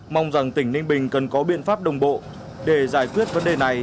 mong rằng tỉnh ninh bình cần có biện pháp đồng bộ để giải quyết vấn đề này